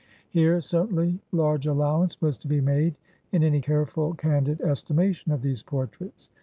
Here, certainly, large allowance was to be made in any careful, candid estimation of these portraits.